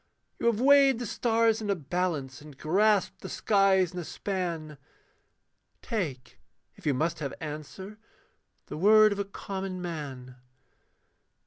You have weighed the stars in a balance, and grasped the skies in a span: Take, if you must have answer, the word of a common man.